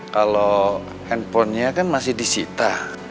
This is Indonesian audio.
kalau handphonenya kan masih di sita